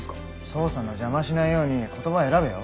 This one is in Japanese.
捜査の邪魔しないように言葉選べよ。